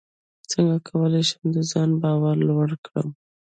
څنګه کولی شم د ځان باور لوړ کړم